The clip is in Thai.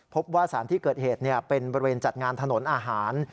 พบว่าสารที่เกิดเหตุเป็นบริเวณจัดงานถนนอาหาร